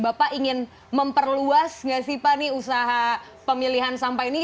bapak ingin memperluas nggak sih pak usaha pemilihan sampah ini